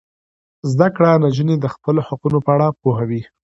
زده کړه نجونې د خپل حقونو په اړه پوهوي.